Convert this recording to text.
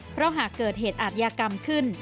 เพราะหากเกิดเหตุอาทยากรรมขึ้น